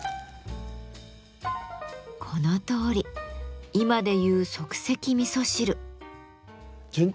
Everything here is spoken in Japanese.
このとおり今で言う即席味噌汁。